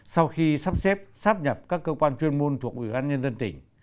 sau khi sắp xếp sắp nhập các cơ quan chuyên môn thuộc ủy ban nhân dân tỉnh